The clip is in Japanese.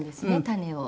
種を。